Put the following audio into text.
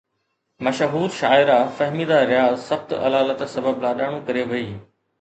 مشهور شاعره فهميده رياض سخت علالت سبب لاڏاڻو ڪري وئي